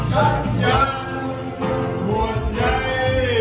ฉันยังหววดใย